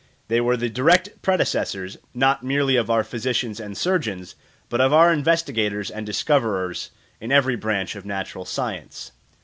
They were the direct predecessors, not merely of our physicians and surgeons, but of our investigators and discoverers in every branch of natural science.